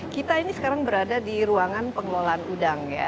kita ini sekarang berada di ruangan pengelolaan udang ya